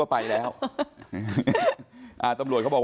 อันนี้แม่งอียางเนี่ย